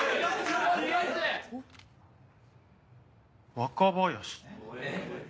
若林。